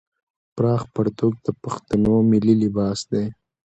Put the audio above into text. پراخ پرتوګ د پښتنو ملي لباس دی.